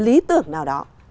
lý tưởng nào đó